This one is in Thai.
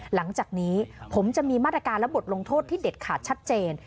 หลังจากนี้ผมจะมีมาตรการและบทลงโทษที่เด็ดขาดชัดเจน